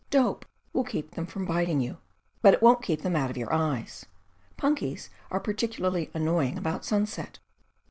Dope will keep them from biting you, but it won't keep them out of your eyes. Punkies are particularly annoying about sunset.